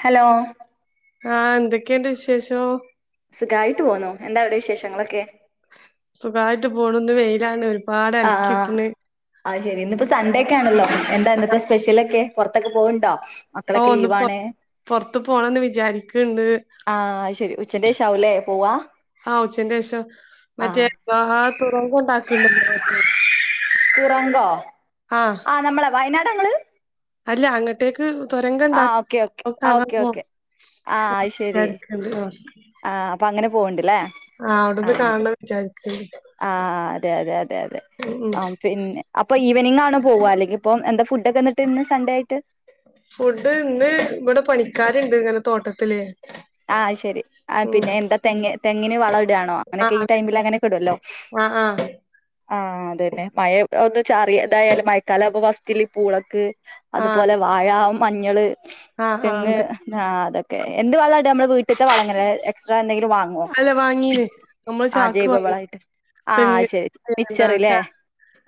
Hello ആ എന്തൊക്കെണ്ട് വിശേഷോം ഖായിട്ട് പോന്നു എന്താവ്‌ടെ വിശേഷങ്ങളൊക്കെ സുഖായിട്ട് പോണന്ന് വെയിലാണ് പാടലക്കിയിട്ടിന്ന് ആത് ശരി ഇന്നിപ്പ സണ്ടെ ക്ക ആണല്ലോ എന്താ ഇന്നത്തെ സ്പെഷ്യലൊക്കെ പുറത്തൊക്കെ പോവ്ണ്ടോ ആ മക്കളൊക്കെ ഒന്ന് പൊ ലീവാണ് പൊറത്ത് പോണംന്ന് വിചാരിക്കണ്ട് ആഹ് അത് ശരി ഉച്ചന്റെ ശേഷാവൂലേ പോവാ ആ ഉച്ചന്റെ വിേഷം ആഹ് മറ്റേ തുറവ ഉണ്ടാക്കണ്ടോ തുറങ്കോ ആഹ് ആ നമ്മളെ വയ ങ്ങള് അല്ല അങ്ങട്ടേക്ക് തുരങ്കം ഉണ്ടാ ആഹ് ഓക്കെ ഓക്കെ അത് കാണാൻ ഓക്കെ പോ ഓക്കെ ആ അയ് ശരി വിചാരിക്ക്ണ്ട് ആഹ് ആ അപ്പ അങ്ങ പോവണ്ടല്ലേ ആഹ് അവിടുന്ന് കാണ വിചാ ആഹ അതെ അതെ അതെ അതെ ഉം ഉം ആ പിന്നെ അപ്പൊ ഈവനിംഗണോ പോവ അല്ലെങ്കി ഇപ്പൊ എന്താ ഫുഡക്കെന്നിട്ട് ഇന്ന് സൺഡേ ആയിട്ട് ണ്ട് ഇങ്ങനെ തോട്ടത്തില് ആഹ് ശരി ആ ഉം പിന്നെ എന്താ ത ങ്ങിന് വള ടാണോ അനക്കെ ഈ ആഹ് ടൈമിലങ്ങനെക്കെടുല്ലോ ആഹ് ആഹ് ആ അതന്നെ മഴ ഒന്ന് ചാറിയതായാലും മയക്കാലം ആവുമ്പ ലിപ്പൂളക്ക് ആഹ് അതുപോലെ വാഴ മഞ്ഞള് ആഹ് ആഹ് തെങ്ങ് അതെ ആ അതൊക്കെ എന്ത് വളാ നമ്മള് വീട്ടിത്തെ വളങ്ങ എക്്ട്രാ എന്തേലും അല്ല വാങ്ങീണ് നമ്മള് ആഹ് ചാക്ക് വാങ്ങി ജൈവവളായിട്ട് തെങ് ആഹ് ശരി എന്താ മിച്ചറില്ലേ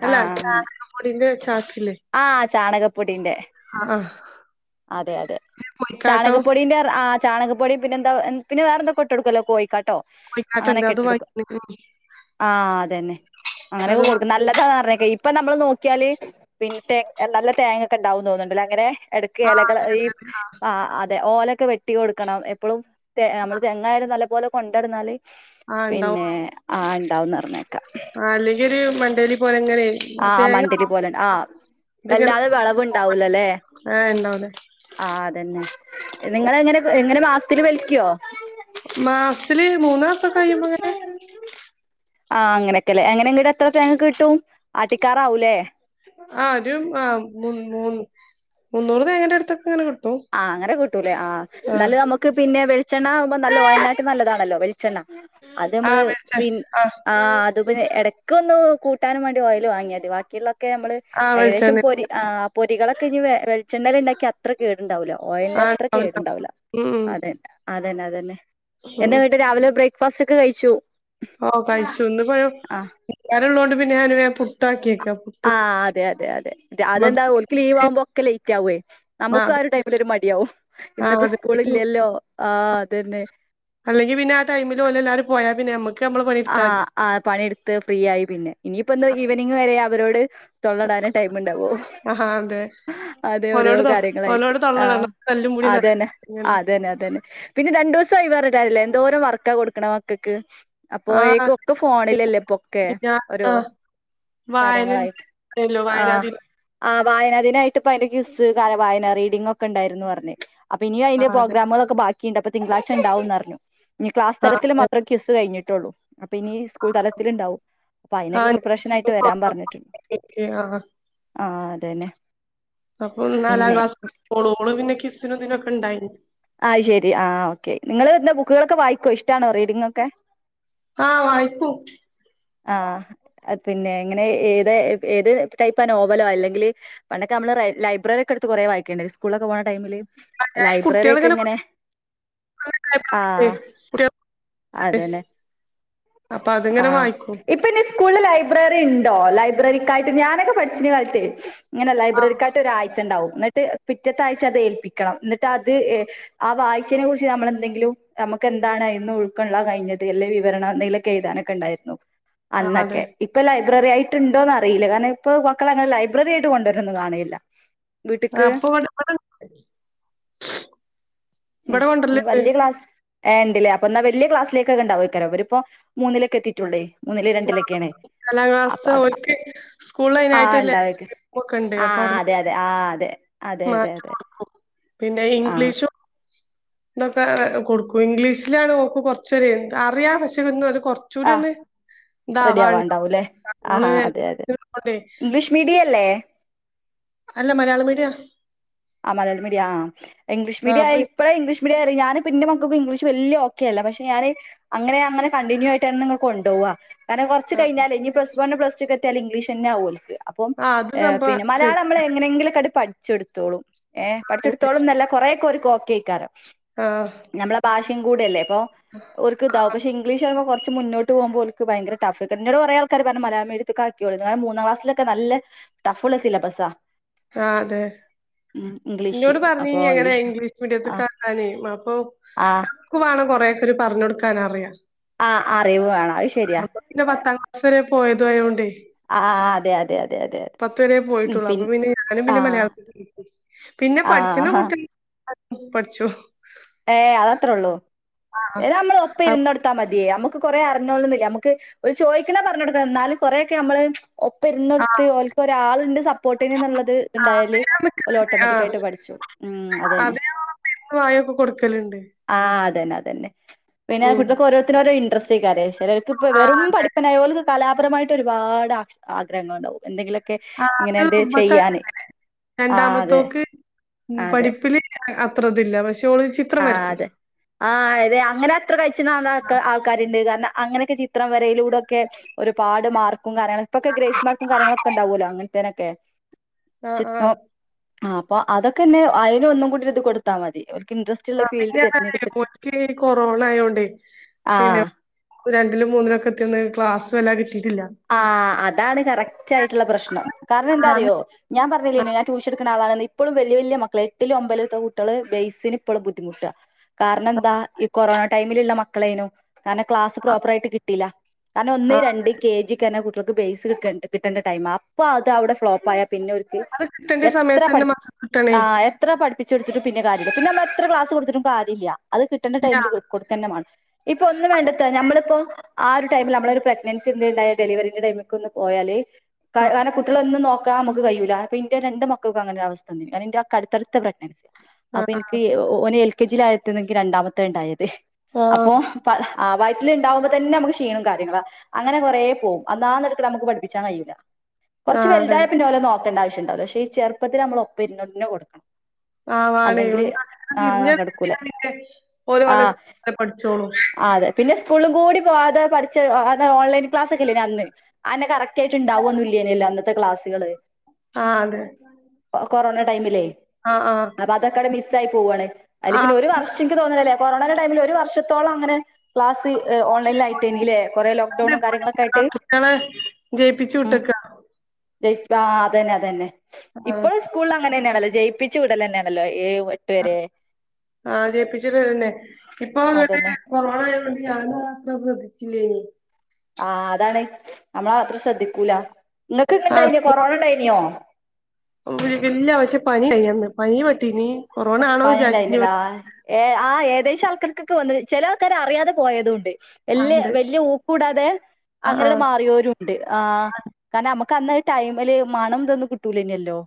അല്ല ആഹ് അങ്ങനെ ചടിന്റെ ചാക്ക് ആഹ് ചാണകപ്പൊടീന്റെ ആ ആ അതെ അതെ കോഴിക്കാട്ടം ചാണകപ്പൊടീ ൻ്റെ ചാണകപ്പൊടിം പിന്നെന്താ പിന്നെ വേറെന്തോ ട്ടൊടുക്കല്ലോ കോഴിക്കാട്ടോ കോഴിക്കാട്ടണ്ട് അങ്ങനെയൊക്കെ അത് ഇട്ടെടുക്കും വാങ്ങി ആ അതന്നെ അത് അങ്ങനെയൊക്കെ വാ കൊടുക്കും നല്ലതാറഞ്ഞക്ക ഇപ്പൊ നമ്മള് നോക്കിയാല് പിന്നെ ത നല്ല തേങ്ങ ഒക്കെ ഉണ്ടാവുന്ന് തോന്നുന്നുണ്ടല്ലോ അങ്ങനെ ആ കേലകൾ അതെ ഈ അതെ അതെ ആ അതെ ഓല വെട്ടി കൊടുക്കണം എപ്പോഴും നമ്മള് തെങ്ങായാലും നല്ലപോലെ കൊണ്ടട്ന്നാല് ആ ഉണ്ടാവും പിന്നെ ആ ഉണ്ടാവുന്നർഞ്ഞേക്കാം മണ്ടേരി പോലെ ഇങ്ങനെ ആ തേങ്ങ മണ്ടിരി പോലണ്ട് ആ ഇതിങ്ങനെ വല്ലാതെ വിളവുണ്ടാവൂലല്ലേ ആ ഉണ്ടാവുല്ലേ ആ അതന്നെ നിങ്ങളെങ്ങനെ അങ്ങനെ മാസത്തില് വലിക്കോ മാസത്തില് മൂന്നാസൊക്കെ കഴിയുമ്പങ്ങനെ ആ അനൊക്കല്ലെ ങ്ങനെ ങ്ങട്ട് എത്ര തേങ്ങ കിട്ടും ആട്ടിക്കാറാവൂലേ ആ ഒരു ആ മൂ മൂന്ന് മുന്നൂറ് തേങ്ങൻ്റടുത്തൊക്കെങ്ങനെ കി ആഹ് ങ്ങനെ കട്ടൂലേ ആഹ് നല്ല നമുക്ക് പിന്നെ വെിച്ചെണ്ണകുമ്പ നല്ല ഓ യൽനാട്ടി നല്ലതാണല്ലോ ച്ചെണ്ണ അത് ആ നമ്മള് വെളിച്ചെ പിന്ന ആ അത് പിന്നെ എടക്ക്ന്ന് കൂട്ടാനും വേണ്ടി ഓയിൽ വാങ്ങ്യാതി ബാക്കിയുള്ള ക്കെ നമ്മള് ആ ഏകദേശം വെളിച്ചെണ്ണ പൊരി പൊരികളൊക്കെ ഇ വെളിച്ചെണ്ണയില് ണ്ടാക്കി അത്ര കേട ണ്ടാവില്ല ആ ഓയിലിന്റെ അത്ര ഉണ്ടാവും ഉണ്ടാവും കേടുണ്ടാവില്ല ഉം അതെ ഉം അതന്നെ അതന്നെ ഉം എന്തന്ങ്ങട്ട് രാവിലെ ബ്രേക്ക്‌ ഫാസ്റ്റൊക്കെ കഴിച്ചു ഓ കഴിച്ചു ഇന്ന് ആഹ് [unintelligible] ള്ളോണ്ട് പിന്നെ ഞാന് പുട്ടാക്കിെ ആ അതെ അതെ അതെ അതെന്താ മ്മക്ക് ഓൽക്ക് ലീവ് ആവുമ്പോ ഒക്കെ ലേറ്റ് ആവുവേ നമുക്ക് ആ ഒരു ടൈമിലൊ ര് മടിയാവും ആ ഇന്നിപ്പോ അതെ സ്കൂൾ ഇല്ലല്ലോ ആ തന്നെ അല്ലെങ്കി പിന്നെ ആ ടൈമിൽ ഓലെല്ലാരും പോയാ പിന്നെ നമ്മ ആഹ് ആ പണിയെടുത്ത് ഫ്രീ ആയി പിന്നെ ഇനിയിപ്പന്ന് ഈവനിങ് വരെ അ വരോട് തൊള്ളടാനേ ടൈമ് ഉണ്ടാവൂ ആഹാ അതെ അതെ ഓരോ ഓലോട് തൊ കാര്യങ്ങളായിട്ട് ഓലോട് ആ തൊള്ളടണം തല്ലും പിടിം അതന്നെ നടക്കങ്ങനെ അതന്നെ അതന്നെ പിന്നെ രണ്ടു ദൂസായി പറഞ്ഞിട്ട് കാര്യല്ലേ എന്തോരം വർക്കാ കൊടുക്കണ മക്കൾക്ക് ആ അപ്പൊഴേക്കും ഒക്കെ ഫോണിലല്ലേ ഇപ്പൊ ഒക്കെ ഞാൻ ഓരോ ആ വായന കാര്യങ്ങളായിട്ട് ല്ലോ ആ വായനാ ദിനം ആ വായനാ ദിനായിട്ട് ഇപ്പ അയ്ന്റെ ക്വിസ് കാല വായന റീഡിംഗ ഒക്കെ ഉണ്ടായിരുന്നുന്ന് പറഞ്ഞ് അപ്പ ഇനി ആ അയിന്റെ അതെ പ്രോഗ്രമുക ളൊക്കെ ബാ ക്കിണ്ട് അപ്പൊ തിങ്കളാഴ്ച ഉണ്ടാവുംന്നറ്ഞ്ഞു ഇനി ക്ലാസ് ആ തരത്തില് അതെ മാത്രം ക്വിസ് കഴിഞ്ഞ് ട്ടൊള്ളൂ അപ്പൊ ഇനി സ്കൂൾ തലത്തിലുണ്ടാവും അപ്പൊ ആ അയിനൊക്കെ പ്രിപ്പറേഷൻ ആയിട്ട് വരാൻ പറഞ്ഞിട്ട്ണ്ട് ആ തനെ അപ്പം നാലാം ക്ലാസ്ക്കാ ഓളും ഓള് പിന്നെ കിസിനും ഇതിനൊക്കെ ഉണ്ടായി നി അയ്ശരി ആ ഓക്കെ നിങ്ങള് എന്ത ബുക്കുകളൊക്കെ വാ യിക്കോ ഇഷ്ടാണോ റീഡിംങ്‌ ഒക്കെ ആഹ് വായിക്കും ആ പിന്നെ ഇങ്ങനെ ഏത് ഏത് ടൈപ്പ ആ നോവലോ അല്ലെങ്കിൽ പണ്ടൊക്കെ നമ്മള് ലൈബ്രറി ഒക്കെ എടുത്ത് കുറേ വായിക്കേണ്ടായ് നി സ്കൂളൊക്കെ പോണ ടൈമില് ലൈബ്രറി കുട്ടികൾ ഒക്കെ ഇങ്ങനെ ആഹ് അതന്നെ [unintelligible] [inaudible] അപ്പൊ അത്ങ്ങനെ വായിക്കും ഇപ്പ [unintelligible] സ്കൂളിൽ ലൈബ്രറി ഉണ്ടോ ലൈബ്രറിക്കായിട്ട് ഞാനൊക്കെ പഠിച്ചിനെ കാലത്തെ ഇങ്ങനെ ആ ലൈബ്രിക്കായ് ട്ട് ഒരാഴ്ച ഉണ്ടാവും എന്നിട്ട് പിറ്റത്താഴ്ച അത് ഏൽപ്പിക്കണം ഇന്ന അത് ഏ ആ വായി ച്ചീനെ കുറിച്ച് നമ്മളെന്തെങ്കിലും നമുക്ക് എന്താണ് അയ്ന്ന് ഉൾകൊള്ളാൻ കഴിഞ്ഞത് അല്ലെ വിവരണം എന്തങ്കിലൊക്കെ എഴുതാനൊക്കെ ഉണ്ടായിരുന്നു ആഹ് അതെ അന്നൊക്കെ ഇപ്പ ലൈ ബ്രറി ആയിട്ട് ഉണ്ടോന്ന് അറിയില്ല കാരണം ഇപ്പോ മക്കൾ അങ്ങനെ ലൈബ്രറി ആയിട്ട് കൊണ്ടോര്നൊന്നും കാണല്ല ആ, വീട്ട്ക്ക് അപ്പൊ ഇവിടെ ഇവിടെ ഉം ഇവിടെ ന് കൊണ്ടരലുണ്ട് വലിയ ക്ലാസ് ഏ ഇണ്ട്ല്ലേ അപ്പൊ എന്നാ വലിയ ക്ലാസിലേക്കെണ്ടോക്കരം ഇവരിപ്പോ മൂന്നൊക്കെ എത്തിയിട്ടുള്ളേ മൂന്നില് ആ രണ്ടിലൊക്കെയാണ് നാലാം അപ്പൊ ക്ലാസ്ത്തെ അത് ഒക്ക് സ്കൂള ആഹ് അതിനായിട്ടല്ലേ ഇണ്ടാവേക്കാരം ഒക്കെ ഉണ്ട് അപ്പ ആഹ് അതെ അവിടുന്ന് അതെ ആഹ് അതെ അതെ അതെ മാറ്റ അതെ കൊടുക്കും പിന്നെ ആഹ് ഇംഗ്ലീഷും ഇന്തൊക്കെ കൊടുക്കും ഇംഗ്ലീഷിലാണ് ഓക്ക് കൊറച്ചര അറിയാം പക്ഷേന്ന കൊറച്ചുകൂടി ആഹ് ഒന്ന് റെഡി ഇന്താവാ ആവാണ്ടാവുംല്ലേ ആഹ് അതെ അതെ ഇംഗ്ലീഷ് മീഡിയം അല്ലേ അല്ല മലയാള മീഡിയ ആ മലയാള മീഡിയ ആ ഇംഗ്ലീഷ് ആ മഡിയ അപ്പൊ ഇപ്പ ഇഗ്ലീഷ് ഇവിടെറി ഞാന് പിന്നെ മക്കൾക്ക് ഇംഗ്ലീഷ് വലിയ ഓക്കെ അല്ല പക്ഷെ ഞാന് അങ്ങനെ അങ്ങനെ കണ്ടിന്യൂ ആയിട്ടായിാണ് നിങ്ങൾ കൊുപോവ കാരണം കുറച്ച് ആ കഴഞ്ഞാല് ഇനിപ വൺ പ്ലസ് ല്ല ഇംഗലീഷ്ന്നെോ അപ്പം ആ, അത് സംഭവം പിന്ന ശരി. മലയാളം നമ്മൾ എങ്ങനെയെങ്കിലൊക്കെഠ വച്ചെടുത്തോളും ഏർ ആ ഇംഗ്ലീഷ് പഠിച്ചെടുത്തോളൊന്നല്ല കൊറെക്കോർക്ക് ഓക്കേക്കാരം ആ നമ്മളെ ഭാഷ കെങ്കൂടല്ല ഇപ്പം ഒര്ക്ക് ആ ഇതാവ പക്ഷെ ഇംഗ്ലീഷ് ആണുമ്പോ കുറ കുച്ച് മുന്നോട്ട് പോകുമ്പോൾക്ക് ഭയര ടഫ്ട് കുറെേ ആൾക്കാര് പറ മലയാള മീഡിയക്ക ആക്കോ മൂന്നാംക്ലസ്സൊക്കെ നല്ല ടഫ്ള്ള സിലബസാ ആ അതെ ഉം ഇംഗ്ലീഷ് ഇന്നോട് അപ്പൊ പറഞ്ഞിനി അങ്ങനെ ഇംഗ്ലീഷ് മീഡിയത്തിൽ ആ കണാനേ അപ്പൊ ആ കക്ക വേണോ കൊറെ ര് പറഞ്ഞഞ് കൊടുക്കാനൻറിയാ ആഹ് അറിവ് വേണം അത് ശരിയാ പോയത ആയോണ്ട് ആ അതെ അതെ അതെ അതെ പത്ത വരെ ഉം പോയിട്ടുള്ളു പിൻ അപ്പൊ പിന്നെ ഞാനും ആ പിന്നെ മലയാളത്തി പിന്നെ ആ പഠിച്ചുന്ന കുട്ടി പഠിച്ചു ഏ അതത്രേ ഉള്ളൂ ആ ഇത് നമ്മൾ ഒപ്പം ആ ഇരുന്ന് കൊടുത്താ മതി നമ ന കുറെ അറിഞ്ഞോളണെന്നില്ല നമുക്ക് ഓര് ചോദിക്കണ പറഞ്ഞ് കൊടുക്കാ എന്നാലും കുറ ഒക്കെ നമ്മള് ഒപ്പം ആ ഇരുന്നൊടുത്ത് ഓരിക്ക് ഒരാളിണ്ട് സപ്പോർട്ടിനിന്നിളളത് ന്ന് ആ ഇണ്ടായല് അതിനാൻ ഓര് നിക്കലുണ്ട് ആ ഓട്ടോമാറ്റിക് ആയിട്ട് പഠിച്ചോളും മ്മ് അതന്നെ കൊടുക്കല്ണ്ട് ആ അതന്നെ അതെന്നെ പിന്നെ ആ കുട്ടികക്ക് ഓരോരുത്തര് ഓരോ ഇന്റെരെസ്റ്റ്‌ ഇല്ലേ സെകാരെ ചിലർക്ക് ഇപ്പൊ ആ വെറും അതെ പഠപ്പനായോർക്ക് കലാപരമായിട്ട് ഒരുപാട് ആ ആഗ്രഹങ്ങൾണ്ടാവും എന്തെങ്കിലൊക്കെ ആ അത് മുത്താക്ക് അങ്ങനെ ആ അതെ രണ്ടാമത്തോക്ക് പഠിപ്പില് അത്രതില്ല പക്ഷെ ഓള് ചിത്രം ആ വരക്കും. അതെ ആ അതെ അങ്ങനെ എത്ര കയിച്ചിന്ന ആൾക്കാരിണ്ട് കാരണം അങ്ങനെയൊക്കെ ചിത്രം വരയിലൂടൊക്കെ ഒരുപാട് മാർക്ക് കാര്യങ്ങള ഇപ്പൊക്കെ ഗ്രസ്മാർക്കും കാര്യങ്ങളൊക്കെ ഉണ്ടാവൂലോ അങ്ങനെ ന്തിനൊക്കെ ആഹ ആഹ ആ അപ്പൊ അതൊക്കെ അന്നെ അയില് ഒന്നുങ്കൂടി ഒരിത് കൊടുത്താ മതി ഓരിക്ക് ഇന്റെ ആ പിന്നെങ്ങനെ കൊറോണ ആയതോണ്ടേ ആഹ് പിന്നെ രണ്ടിലും മൂന്നിലും ഒക്കെ എത്തിന്ന് ക്ലാസ് [unintelligible] കിട്ടി ആ അതാണ് കറക്റ്റ് ആയിട്ടുള്ള പ്രശ്നം കാരണം എന്താ ആഹ് അറിയോ ഞാൻ പറഞ്ഞില്ലേ ഞാൻ ടൂഷനെടുക്കുന്ന ആളാണെന്ന് ഇപ്പോഴും വലിയ വലിയ മക്കളെ എട്ടിലും ഒമ്പതിലുംഎത്തുന്ന കുട്ടികള് ബേസിന് ഇപ്പോഴും ബുദ്ധിമുട്ടാണ് കാരണം എന്താ ഈ കൊറോണ ടൈമിലുള്ള മക്കളെ മക്കളേനു കാരണം ക്ലാസ് പ്രോപ്പർ ആയിട്ട് കിട്ടില കാരണം ഒന്ന് രണ്ട് കെ ജി ചെല കുട്ടികൾക്ക് ബേസ് കണ്ട കിട്ടേണ്ട ടൈം അപ്പോ അത് അവിടെ ഫ്ലോപ്പായ പിന്നൊരിക്ക് അത് കിട്ടേണ്ട എത്ര സമയത്ത് തന്നെ പഠിപ്പിച്ചാലും മക്കക്ക് കിട്ടണേ ആ എത്ര പഠിപ്പിച്ചാലും പഠിപ്പിച്ചേകൊടുത്തിട്ടും പിന്നെ കാര്യില്ല പിന്ന നമ്മ എത്രക്ലാസ് കൊടുത്തിട്ടും കാര്യില്ല അത് കിട്ടേണ്ട ഇല്ല. ടൈമില് കൊടുത്ത തന്നെ മേണം ഇപ്പൊ ഒന്നും വേണ്ടത്ത ഞമ്മളിപ്പോ ആ ഒരുടൈമില് നമ്മള ഒരു പ്രഗ്നൻസി എന്തേലും ഇണ്ടായാലെ ഡെലിവറിന്റെ ടൈമിക്ക് ഒന്ന് പോയാല് ആഹ് കാരണം കുട്ടികളൊന്നും നോക്കാൻ നോക്കാൻ നമ്മക്ക് കഴയൂല്ല അപ്പ ന്റെ രണ്ട് മക്കക്കൂ അങ്ങനൊരവസ്ഥ വന്നിന് എന്റെയൊക്കെ അടുത്തടുത്ത അപ്പൊ ആഹ് എനിക്ക് ഓന് എൽക് [unintelligible] ഇന്ക് രണ്ടാമത്തെ ഇണ്ടായത് അപ്പൊ ആഹ് പ ആ വയറ്റില് ഇണ്ടാവുമ്പോ തന്നെ നമുക്ക് ക്ഷീണോം കാര്യങ്ങള അങ്ങനെ കൊറേ പോവും അന്നാന്ന്ട്ക്ണത് മ്മക്ക് പഠിപ്പിച്ചാൻ കയ്യൂല കൊറച്ച് ആഹ് അതെ വെൽതായ പിന്നെ ഓലെ നോക്കണ്ട ആ ശ്യണ്ടാവുല്ല. പക്ഷെ ഈ ചെറുപ്പത്തില് മ്മള് ഒപ്പം ഇരുന്നെന്നെ കൊടുക്കണം. ആ വാണേ അല്ലെങ്കിൽ [unintelligible] ആ തിരിഞ്ഞെ നടക്കൂല ഓല ആ സ്കൂള്ത്തെ പഠിച്ചോളും അത പഠിച്ചത്‌ ഓൺലൈൻ ക്ലാസ് ല്ലേന്നോ അന്ന് അനെ കറക്റ്റ് ആയിട്ട്ണ്ടാവൊന്നുല്ലേന്നല്ലോ അന്നത്തെ ക്ലാസ്സുകള് ആ അതെ കൊറോണ ടൈമിലേ ആഹ് ആഹ് അപ്പൊ അതൊക്കെങ്ങട്ട് മിസ്സ്‌ [unintelligible] ആയി പോവാണ് അയ്ല് പിന്നെ ഒരു വർഷം ഇന്ക് തോന്നിയേല് കൊറോണയുടെ ടൈമില് ഒരു വർഷത്തോളം അങ്ങനെ ക്ലാസ് ഓൺലൈൻലായിട്ടേന്നുലേ കൊറേ ലോക്ക്ഡൗണും കാര്യങ്ങളൊക്കെ ആയിട്ട് ആ കുട്ട്യേളെ ജയിപ്പിച്ചു ഉം വിട്ട്ക്ക [unintelligible] അതന്നെ അതന്നെ ഇപ്പഴും സ്കൂള്ല് അങ്ങനെന്നാണ ല്ലേ. ജയിപ്പിച്ച് വിടലെന്നെണല്ലോ ഏഴ് എട്ട് ആ വരെ ആ ജയിപ്പിച്ചുവെടുകതന.... ഇപ്പോൾ അതന്നെ കൊറോണ [unintelligible] ആ.. അതാണ് നമ്മള് അത്ര ശ്രദ്ധിക്കുലാ ആ [unintelligible] വഴിവെട്ടിനീ [unintelligible] ക് വന്ന് ചെല ആൾക്കാര് അറിയാതെ പോയതും ഒണ്ട് ആഹ് എല്ലാ ഇണ്ട് വല്ല്യ ഊ കൂടാതെ ആഹ് അങ്ങനെ അട് മാറിയോരും ഉണ്ട് ആ ആഹ് കാരണം അമ്മക് വന്ന ടൈമിൽ മണം ഇതൊന്നും കിട് ട്ടൂല്ലല്ലോ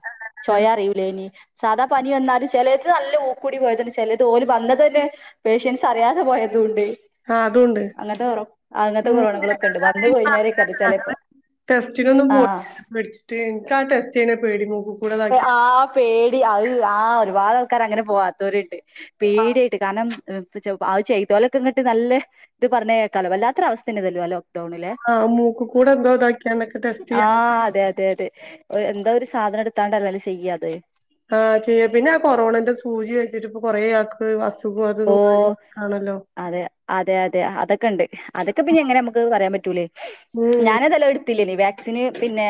അല്ല സ്വയം അറിയിലേനി സാധാ പനി വന്നാല് ചെലത് നല്ല ഉകൂടി പോയത് ചെലത് ഓര് വന്നത് തന്നെ പേഷ്യന്റ്സ് അറിയാതെ പോയതും ഒണ്ട് അഹ് അതുണ്ട് അങ്ങനത്തെ കൊറോണകളൊക്കെ ഉണ്ട് വന്ന് പോയിഞ്ഞോരൊക്കെ ചിലപ്പോ ആ [unintelligible] ആ പേടി അവര് ആ ഒരുപാട് ആൾക്കാർ അങ്ങനെ പോവാത്തവരുണ്ട് പേടിയായിട്ട് കാരണം ആത് ചെയ്തോലൊക്കെങ്ങട്ട് നല്ല ഇത് പറഞ്ഞക്കാലോ വല്ലാത്ത ഒരവസ്ഥേന്ന തല്ലോ അല്ലോ ആഹ് മൂക്ക് കൂടെ എന്തോ ഇതാക്കിയാണ്ടൊക്കെ ടെസ്റ്റ് ആ ചെയ്യാ അതെതെ അതെന്ത സാധനടു ത്താണ്ടല്ലേ ചെയ്യാെ ആഹ് ചെയ്യ പിന്നെ ആ കൊറോണന്റെ സൂചി വച്ച് കുറേ ആക്ക്‌ ഓ അതെ അതെ അതെ അതൊക്കെ ഉണ്ട് അതൊക്കെ പിന്നെ എങ്ങനെ നമുക്ക് പറയാൻ പറ്റ റ്റുലേ ഉം ഞാനേതല്ലോ ടുത്തില്ലേ നീ വാക്സിന് പിന്നെ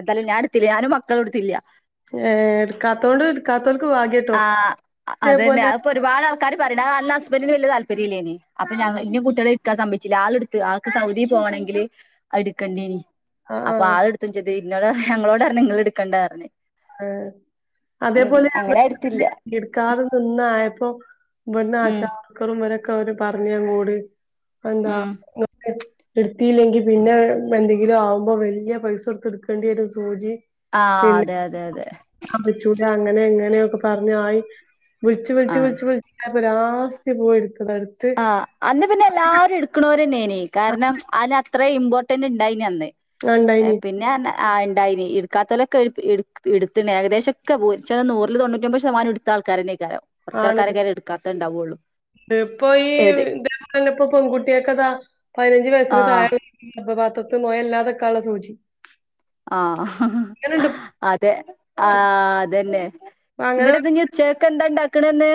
എന്തായാലും ഞാന എടുത്തില്ല ഞാനും മക്കളും എടുത്തില്ല ഏ എടുക്കാത്തോണ്ട് എടുക്കാത്ത ആഹ അത് തന്നെ അപ്പോ ഒരുപാട് കാര്യ പറയ അ ഹസ്ബന്റിന് വലിയ താല്പര്യമല്ലേന് അപ്പൊ ഞങ്ങ ആഹ് ഇ കുട്ടികള സംഭിച്ചില്ല ആള എടുത്ത് ആൾക്ക് സൗദി പോകണെങ്കിൽ എടുക്കണ്ടി ആഹ് അപ്പൊ ആഹ് ആള എടുത്തച്ചത് പിന്നോട് ഞങ്ങളോട നിങ്ങൾ എടുക്കണ്ടായിറഞ്ഞേ ആഹ അതേപോലെ അങ്ങനെ എടുത്തില്ല എടുക്കാതെ നിന്നായപ്പോ വരുന്ന ഉം ആശാർകറും വരൊക്കെ അവര് പറഞ്ഞാൻ കൂടി ഉ അന്താ ഉം എടുത്തിയില്ലെങ്കിൽ പിന്നെ എന്തെങ്കിലും ആവുമ്പോ വലിയ പൈസ എടുത്ത് എടുക്കേണ്ടി വരും സൂചി ആ അതെ അതെ അതെ അപ്പ ചൂടാ അങ്ങനെ എങ്ങനെയൊക്കെ പറഞ്ഞായി വിളിച്ച് ആഹ് വിളിച്ച് വിളു [unintelligible] ആസ്യ പോയി എടുത്തതാ എടുത്ത് ആഹ് അന്ന് പിന്നെ എല്ലാരും എടുക്കണോരന്നെ കാരണം ആഹ് അതിനത്ര ഇമ്പോർട്ട തന്ന ഇണ്ടായി അന്നേ ഇണ്ടായിനി പിന്നെ ആ ണ്ടായിനി ഇട്ക്കാത്തോലൊക്കെ ഇട്ത്തുണ് ഏകദേശൊക്കെ നൂറില് തൊണ്ണൂറ്റൊമ്പത് ശതമാനോം ഇട്ത്ത ആൾക്കാരെന്നെ കുറച്ച് ആണ് ആൾക്കാരൊക്കെ അയ്ല് എടുക്കാത്ത ഇണ്ടാവുള്ളു പ്പോ [unintelligible] പെൺകുട്ടിയാക്കതാ പതിനഞ്ചു വയസിന് ആഹ് താഴെ ത്ത് മൊയല്ലാതക്കാള്ള സൂചി ആഹ് അങ്ങനെണ്ട് അതെ ആ അതന്നെ അങ്ങനെ ന്നട്ടിഞ്ഞി ഉച്ചക്കക്ക് ന്താണ്ടാ ക്ക്ണ്ന്ന്?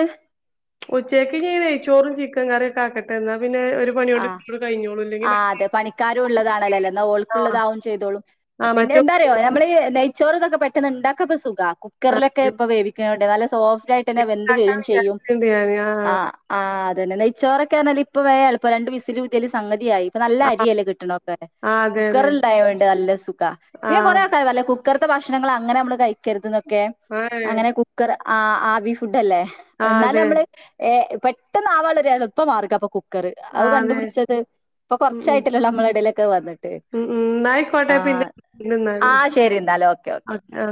ഉച്ചക്ക് ഞ്ഞി നെയ്ച്ചോറും ചിക്കൻ കറിയൊക്കെ ആക്കട്ടെ എന്നാ പിന്നെ ഒരു പണിയോണ്ട് ആ ഇങ്ങട് കഴിഞ്ഞോളും ഇല്ലെങ്കി ആ മറ്റേ അതെ പണിക്കാരും ഉള്ളതാണല്ലോല്ലേ ന്നാൽ ആഹ് ഓൾക്കുള്ളതാവും ചെയ്തോളും ആഹ് മറ്റേ പിന്നെന്താന്നറിയോ നമ്മള് നെയ് ചോറുംതൊക്കെ പെട്ടന്ന്ണ്ടാക്കാപ്പൊ സുഖ കുക്കറിലൊക്കെ ഇപ്പൊ വേവിക്കാണ്ടേ നല്ല സോഫ് റ്റായിട്ടെന്നെ വെന്ത് ഇണ്ടാക്കാൻ വരും ചെയ്യും വിചാരിച്ചിട്ടുണ്ട് ഞാന് ആ ആഹ് ആ തെന്നെ നെയച്ചോറൊക്കെറഞ്ഞാല് ഇപ്പ വേം എളുപ്പ പ്പാ രണ്ട് വിസിലൂതിയാല് സംഗ യായി പ്പൊ നല്ല അരിയല്ലെ കിട്ടണൊക്കെ ആഹ് ആഹ് അതെ അതെ കുക്കറിണ്ടായോണ്ട് നല്ല സുഖ പിന്നെ കൊറേ ആഹ് ആൾക്കാര് കുക്കർത്തെ ഭക്ഷണങ്ങള് അങ്ങന നമ്മള് കഴിക്കരുത് ന്നൊക്കെ ക്കെ ഏഹ് അങ്ങനെ കുക്കർ ആ ആബി ഫുഡ് അല്ലേ ആഹ് എന്നാല് അതെ നമ്മള് ഏ പെട്ടെന്ന് ആവാള്ളൊരെളുപ്പ മാർഗാപ്പൊ കുക്കർ അത് ആഹ് അതെ കണ്ടുപിടിച്ചത് ഇപ്പൊ ഉം ഉം കൊറച്ചായിട്ടല്ലോള്ളു നമ്മളെ ഇടയിലൊക്കെ വന്നിട്ട് ഉം ഉം ആ ന്നായിക്കോട്ടെ പിന്നെ ആ ന്നാല് ശരിന്നാല് ഓക്കെ ഓക്കെ ആഹ്